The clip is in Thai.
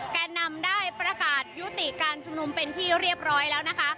แก่นำได้ประกาศยุติการชุมนุมเป็นที่เรียบร้อยแล้วนะคะ